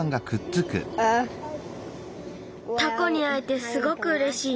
タコにあえてすごくうれしい。